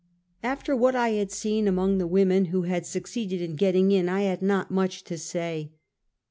After what I had seen among the women who had succeeded in getting in, I had not much to say.